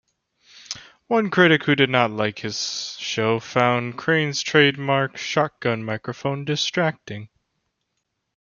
One critic who did not like his show found Crane's trademark shotgun microphone distracting.